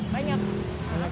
bajar lebih senang